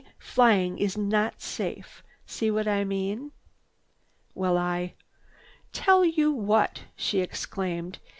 Flying is not safe!' See what I mean?" "Well, I—" "Tell you what!" she exclaimed.